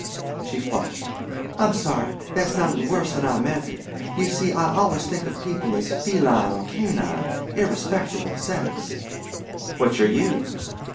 She flushed. "I'm sorry; that sounded worse than I meant it. You see I always think of people as feline or canine, irrespective of sex." "Which are you?"